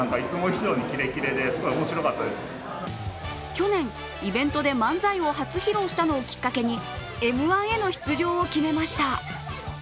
去年、イベントで漫才を初披露したのをきっかけに「Ｍ−１」への出場を決めました。